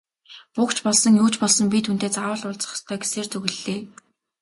Буг ч болсон, юу ч болсон би түүнтэй заавал уулзах ёстой гэсээр зүглэлээ.